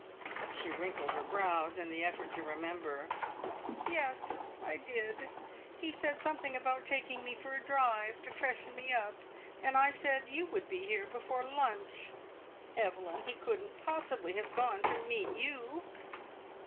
She wrinkled her brows in the effort to remember. "Yes, I did. He said something about taking me for a drive to freshen me up, and I said you would be here before lunch. Evelyn, he couldn't possibly have gone to meet you!"